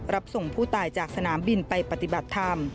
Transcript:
รับส่งผู้ตายจากสนามบินไปปฏิบัติธรรม